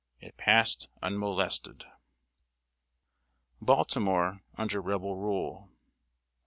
It passed unmolested! [Sidenote: BALTIMORE UNDER REBEL RULE.